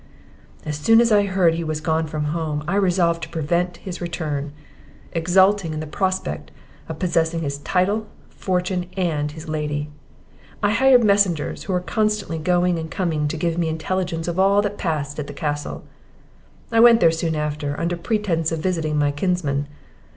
"As soon as I heard he was gone from home, I resolved to prevent his return, exulting in the prospect of possessing his title, fortune, and his lady. I hired messengers, who were constantly going and coming to give me intelligence of all that passed at the castle; I went there soon after, under pretence of visiting my kinsman.